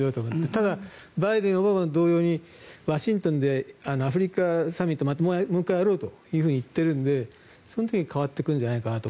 ただ、バイデンはオバマと同様にワシントンでアフリカサミットもう１回やろうと言っているのでその時に変わってくるんじゃないかなと。